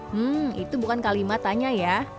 hmm itu bukan kalimatannya ya